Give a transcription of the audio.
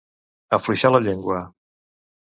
Afluixar la llengua.